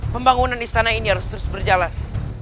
pembangunan istana ini harus terus berjalan